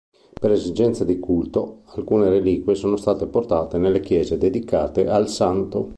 Per esigenze di culto alcune reliquie sono state portate nelle chiese dedicate al Santo.